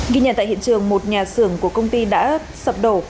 ghi nhận tại hiện trường một nhà xưởng của công ty đã sập đổ